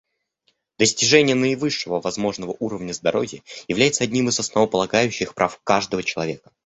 Достижение наивысшего возможного уровня здоровья является одним из основополагающих прав каждого человека.